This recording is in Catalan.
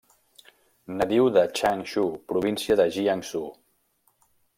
Nadiu de Changshu, província de Jiangsu.